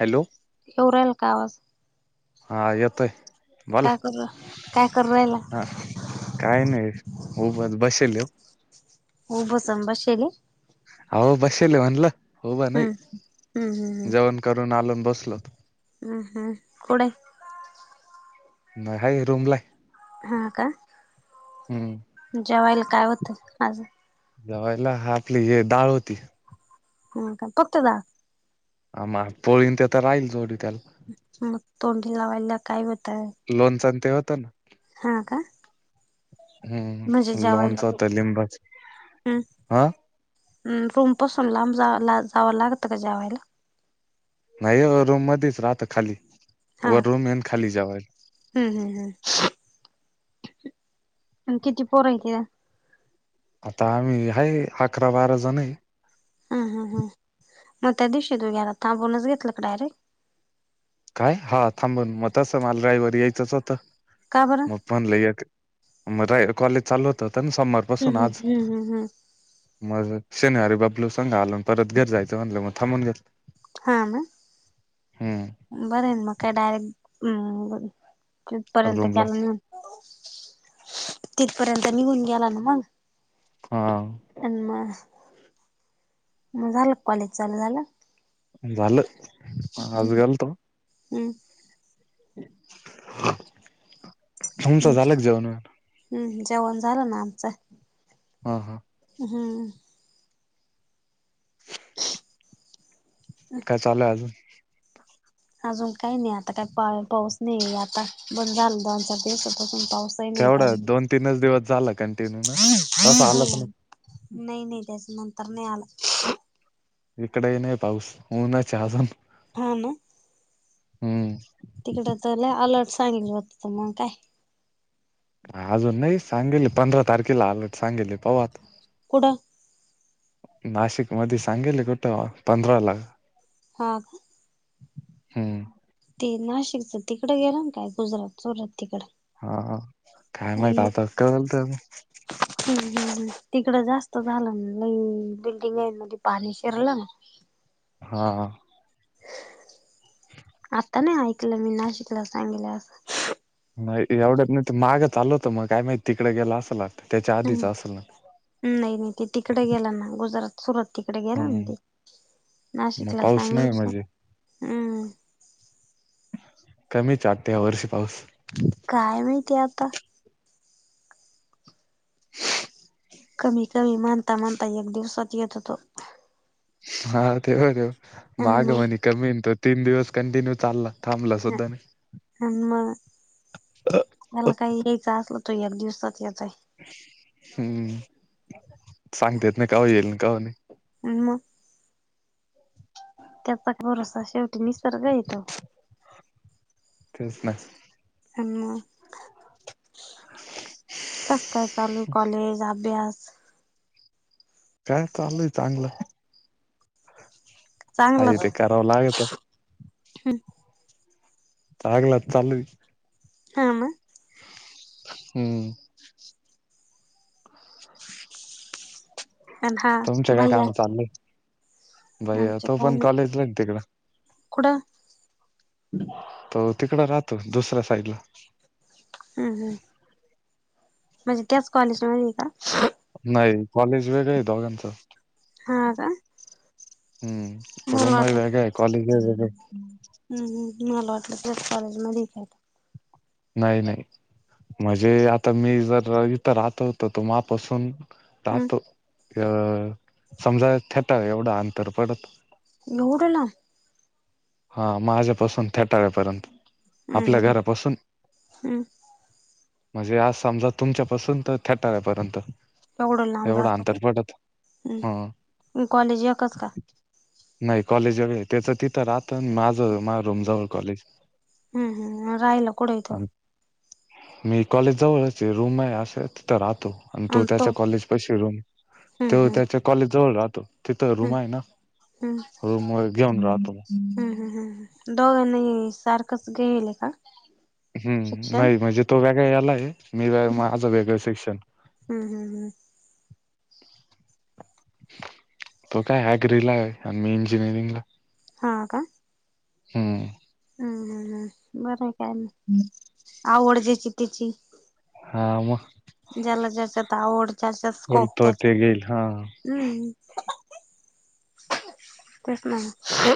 Hello एवराेला कावासं हा येत आहे काय कर काय कर रहिला हा काय नाही उब बसेल ये हो बसंब शेली हो बसेल म्हणलं होबा हम्म हम्म हम्म नाही जवण करून आलून बसलो हम हम कडे नाही हा रूमलाय हा का हम्म जेवायला काय होतं आज जवायला आपली हे डाळ होती हा का पक्तदा आ म पोळीन ते तर राहील जोडी त्याला मग तोंडी लावायला काय होतय लोनचा ते होत ना. हां का. म्हणजे हम्म जेवायला लोनचा तलीम बस हा. ह रूम पासून लांब जा जावं लागतं का जेवायला. नाही रूम मध्येच राहत खाली व रूम येन खाली जावाय. हम् हम् हम्. आणि किती पोरय क. आता आम्ही हा अकरा बारा जण आहे. हा हा हां मग त्या दिवशी तू घ्याला तर बोनस घेतलं का डायरेक्ट. काय हा थांबून मग तसं मालगाई व यायचंच होतं. काबर. पण ल कॉलेज चालू होत होता ना सोमार पासून हम्म हम्म आज. हम्म हम्म हम्म मग शेनहारी बापलू सांगा आला परत घर जायचं म्हणलं मग थांबून घेत. हा म हम्म बरं मग काय डायरेक्ट बोल. तिथपर्यंत रूमला गेला ना तिथपर्यंत निघून गेला ना मग. हा. आणि मग मग झालं कॉलेज चालू झालं. झालं. आज हम्म हम्म. मचा हम्म झाला जेवण. हम्म जेवण झालं ना आमचं. हा हां. हम्म. [unintelligible] काय चालूय अजून. अजून काही नाही आता काही पा पाऊस नाही आता बंद झाला दोनचाार दिवसपासून पाऊस. नाही का. तेवढा दोन तीनच दिवस झाला कंटिन्यू ना तसा आलाच नाही नाही नाही त्याच नंतर नाही आला. इकडई नाही पाऊस होऊन चाजन. हा ना. हम्म. तिकडे तरला अलर्ट सांगितलं होत मग काय. अजून नाही सांगेल पंधरा तारखेला आलट सांगेली पावा त. कडा. नाशिक मध्ये सांगेले कुठ पंधरा लाख. हग. हम्. ते नाशिकचं तिकड गेलं ना काय गुजरात चोरात तिकड. हा काय माहित आता का झालत. ह् तिकडं जास्त झालं ना ल बिल्डिंग आहे मध्ये पाणी शिरलं ना. [unintelligible] हा ह. आता नाही ऐकलं मी नाशिकला सांगितलं अस. नाही एवढंच नाही माग आल होत मग काय माहिित तिकडे गेयला असं लागतं त्याच्या आधीच असंगत. नाही नाही ते तिकडे गेला ना गुजरात. सुरत तिकडे गेला ना हम्म ते मग नाशिकला पाऊस सांगल नाही कस म्हणजे हम्म. कमी च आटते ह वर्षी पाऊस काय माहितीय आता. कमी कमी मानता माणता एक दिवसात येत होतो. हा तेव देव आणि माग म्हणे मग कमी त तीन दिवस कंटिन्यू चालला. थांबला ह सुद्धा नाही आमा याला काय यायचं असल तो या दिवसात याचाय हम्म सांगतेेत ना का येईल का नाही ह् मग त्याचा भरोसा शेवटी निसर्ग येतो तेच ना ह का का चालू कॉलेज अभ्यास काय चाललंय चांगलं य चांगलाच ते कराव लागत चगला चचाल ह म हम्म हा तुमच्या काय काम भैया चाललंय भैया आमच्या तो पण कायने कॉलेजला आहे ना तिकडं कुडं तो तिकड राहतो दुसऱ्या साईडला हम् हम् म्हणजे त्याच कॉलेजमध्येध्ये आहे का नाही कॉलेज वेगळं आहे दोघांच हा का हम्म मला रूमही वाटत वेग आहे कॉलेज वेग आहे हम्म मला वाटलं तेस कॉलेज म दखा नाही नाही म्हणजे आता मी जर इथं राहतो होत तो मापासून हम्म राहतो अ समजा ेता एवढं अंतर पडत येवढला हा माझ्यापासून थेटाव्यापर्यंत हम्म आपल्या हम्म घरापासून हम्म म्हणजे आज समजा तुमच्यापासून तर थेटरा्यापर्यंत लांब एवढं राहतो का अंतरपटत हम्म हम कॉलेज एकच का नाही कॉलेज वगैरे त्याचं तिथं राहत माझं मा रूमजवळ कॉलेज आहे हम् हम् राहिला कुठं इथं मी कॉलेजजवळच रूम आहे असे तिथं राहतो आणि तो त्याच्या कॉलेज पैशी रूम हम्म तो हम्म त्याच्या कॉलेज जवळ राहतो तिथं रूम हम्म आहे ना हम्म रूम घेऊन राहतो मग हम्म हम्म हम्म हम् दोघं नाही सारखंच घेईल आहे का हम्म शिक्षण नाही म्हणजे तो वेगळा याला आहे मी व माझं वेगळं शिक्षण हम् हम् हम् तो काय ऍग्री ला आहे आणि मी इंजिनिअरिंग ला हा का हम् हम् बरं आहे काय ना आवड ज्याची त्याची हा मग ज्याला ज्याच्यात आवड जाच्यात स्कोप बोलतो ते घेईल हा त्या्च्यात हम् तेच ना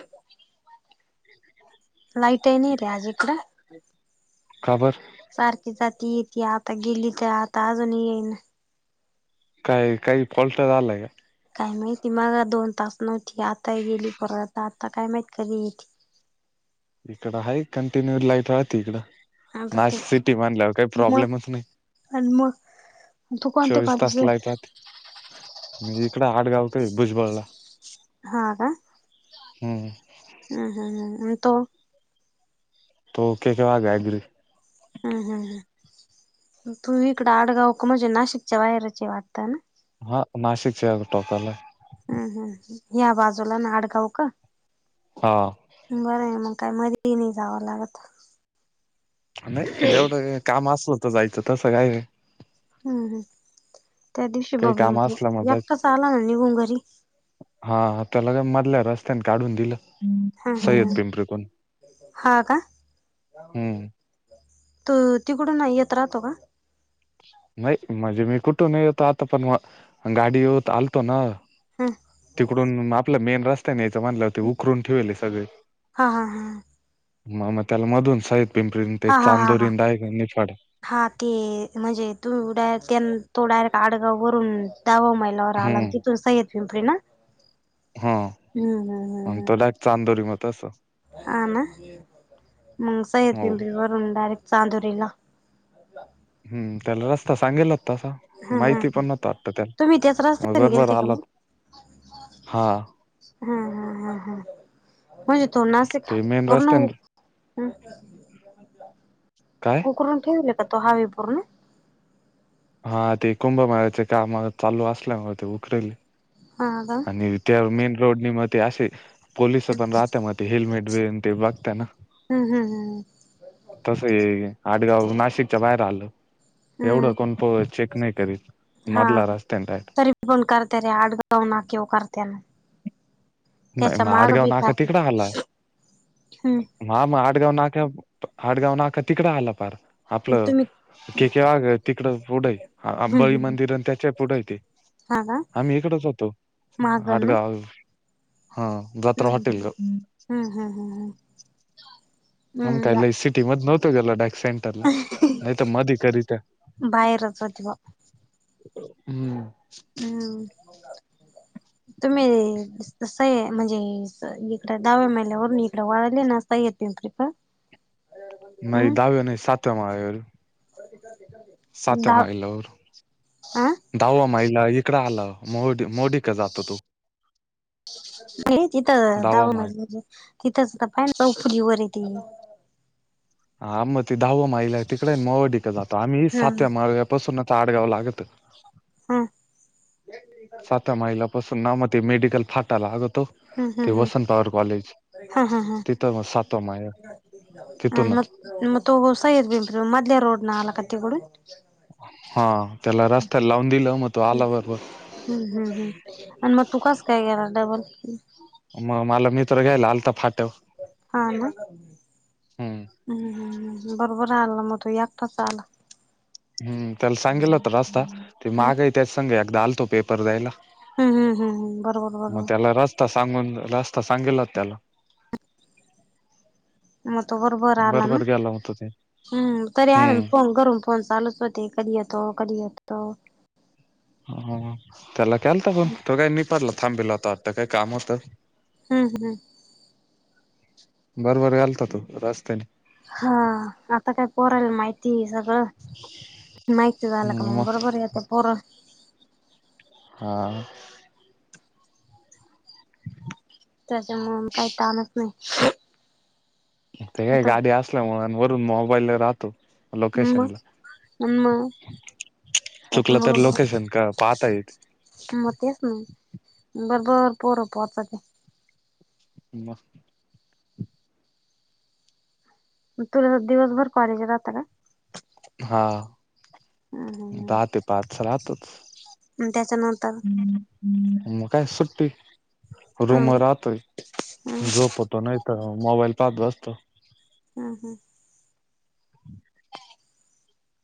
लाइटइ नाही रे आज इकडं का बरं सारखी जाती येती आता गेली तर आता अजून येईन काही काही फॉल्ट झालाय का काय माहिती मघा दोन तास नव्हती आता गेली परत आता आता काय माहित कधी येते इकड हाय कटिन्यू लाईट राहती इकडं आता ते नाशिक सिटी म्हणल्यावर काही मग प्रॉब्लेमच नाही. आणि मग तू कोणत्या चोवीस तास कॉलेजला लाईट राहते मी इकड आडगावकड आहे भुजबळला. हा का. हम्म. हम्म हम्म हम्म आणि तो? तो ओके तेव्हा [unintelligible] हा हा हा तुम्ही इकड आडगावक म्हणजे नाशिकच्या बाहेरचये वाटतं ना. हा नाशिकच्या टोकाला आहे. हम्म हम्म ह्या बाजूला आडगाव का. हा. बरं आहे मग काय मध्येही नाही जावं लागत. नाही एवढं काम असल तर जायचं तसं काय नाही. हम्म हम्म त्या दिवशी काही बबलू काम असलं मग एकटाच आला होता ना निघून घरी हा त्याला काय मधल्या रस्त्याने काढून दिलं. हा हा हा. सय्यद पिंपरीतून हा का हम्म तू तिकडून येत राहतो का. नाही म्हणजे मी कुठूनही येतो आता पण मग गाडी येत आलतो ना [unintelligible] तिकडून आपला मेन रस्तानी यायच म्हनल्यावर ते उखरून ठेवेल आहे सगळे. हा हा हा मग मग त्याला मधून सईद पिंपरी ते हा हा हा हा चांदोरींद डायरेक्ट निफाड हा ते म्हणजे तुम्ही उडा त्यां तो डायरेक्ट आडगाव वरून दहावा मैल नवरा आला आणि हम्म तिथून सय्यद पिंपरी ना. हा हम्म हम्म आणि तो डायरेक्ट चांदोरी मग असं. आ ना मग सय्यद हो पिंपरीहून डायरेक्ट चांदुरीला. हम्म त्याला रस्ता सांगेल होता तसा. हम हम माहिती पण नव्हता वाटतं त्याला तुम्ही त्याच मग रस्त्याने बरोबर गेलते का आला मग? हा हा हा हा हा. म्हणजे तो नासिक ते मेन वरन रस्त्याने काय [unintelligible] उकरून ठेवले का तो हावी पूर्ण. हा ते कुंभमेळ्याचे काम चालू असल्यामुळे ते उखरले [unintelligible] ए त्या मेन रोड नि म ते असे पोलिस पण राहते मग ते हेल्मेट बिन ते बघता ना हम्म हम्म हम्म तस हे आडगाव नाशिकच्या बाहेर आल. एवढं हम्म कोण पो चेक नाही करीत हा मधला रस्तान राईट तरी पण करत रे आडगाव नाकॅव करत्या ना. नाही त्याचा मग माग आडगाव बी नाका करते हम्म. म ह मग आडगाव नाका आडगाव नाका तिकडं आला पार आपलं तुम्ही के के वाघ आहे तिकड पुढंय हम्म हबळी हम्म मंदिर आणि त्याच्या पुढे य तेे हा का आम्ही इकडच होतो माग ना आटगाव हा जत्रा हॉटेल ला. हा हा हा हा. मंग काय लय सिटी मध नव्हतो गेलो डायरेक्ट सेंड टरला नाहीतर मध्ये कधी तर बाहेरच होती बा हम्म. हम्म तुम्ही [unintelligible] स म्हणजे इकडे दाहव्या महिल्यावरून इकडे वाळले ना. [unintelligible] नाही हम्म दहव्या नाही साातव्या माळ्यावर ये. [unintelligible] सातव्या दहा माईलवर. अ दहावा महिला इकडं आला. मोडी मोडीक जातो तू हे तिथं दहावा दाव म माळ म्हे तिथंच त पा [unintelligible] च फुली वर यती. हा मग ते दहावा मयला आहे तिकडे मोहडिक जातो. आम्ही हा सातव्या मार्ग्यापासूनच आडगाव लागत. ह. सात्या मयलापासून ना, म ते मेडिकल फाटा लागतो. हम्म ते हम्म हम्म वसंत पवार कॉलेज, हा हा हा तिथं म सातवा मायला तिथूनच. म तो सय्यद बिल्डर मधल्या रोड न आला का तिकडून? हा त्याला रस्त्याला लावून दिलं, मग तो हम्म आला बरोबर. हम्म हम् हम्. अन मग तु कास काय गेला डबल? म मला मित्र घ्यायला आलता फाट्यावर. हा ना? हम्म हम्म हम्म बरोबर आलं म तू, एकटाच आला. हम्म त्याला सांगेल होता रस्ता, ते हम्म मागाय त्याच सांग एकदा आलतो पेपर द्यायला. हम्म हम्म बरोबर म बरोबर त्याला रस्ता सांगून, रस्ता सांगेल त्याला. मग तो बरोबर आला ना? गेला होता ते हम्म तरी आमी हम्म फोन करून फोन चालूच होते कधी येतो, कधी येतो ह त्याला केलता फोन. तो काय निफाडला थांबेल आता आता काय काम होतं. हम्म हम्म. बरोबर यालता तू रस्त्यानी. हा, आता काय पोराला माहितीए सगळं. माहिती झालं का मग बरोबर येता पोर. हा. त्याच्यामुळून काही ताणच नाही. ते काय आता गाडी असल्यामुळे, अन वरून मोबाईल राहतो. लोकेशनला, मग मग चुकलं तर त्याच्यामुळं लोकेशन का पाहता येते. मग तेच ना, बरोबर पोरं पोहचाती. मग तुला दिवसभर कॉलेज राहत का? हा. हम्म हम्म दहा ते पाच राहतच. हम्म. त्याच्यानंतर हम्म हम्म. मग काय सुट्टी, रुम हम्म राहतोय हम्म झोपत. तो नाही तर मोबाईल पाहत् बसतो. हम्म.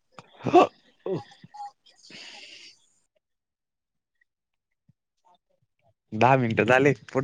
[unintelligible] दहा मिनटं झाले पुढ